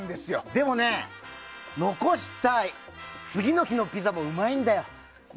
でも、残した次の日のピザもうまいんだよ。